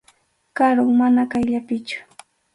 Karum, mana qayllapichu.